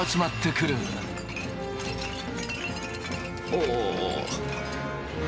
おお。